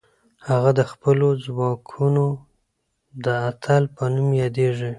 هغه د خپلو ځواکونو د اتل په نوم یادېږي.